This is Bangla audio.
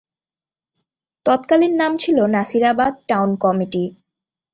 তৎকালীন নাম ছিল নাসিরাবাদ টাউন কমিটি।